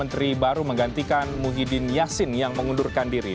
sehingga hari baru menggantikan muhyiddin yassin yang mengundurkan diri